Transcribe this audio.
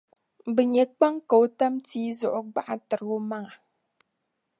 bɛ nya kpaŋ ka o tam tii zuɣu gbaɣtir’ omaŋa.